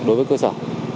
đối với cơ sở